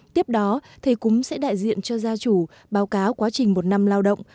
tiếp đó thầy cúng sẽ đại diện cho gia chủ báo cáo quá trình một năm lao động